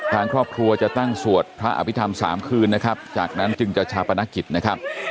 ทางครอบครัวจะตั้งสวดพระอภิษฐรรม๓คืนนะครับจากนั้นจึงจะชาปนกิจนะครับ